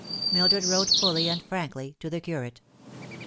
Mildred wrote fully and frankly to the curate.